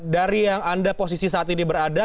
dari yang anda posisi saat ini berada